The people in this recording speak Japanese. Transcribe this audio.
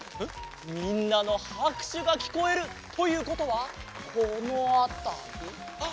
みんなのはくしゅがきこえる。ということはこのあたり。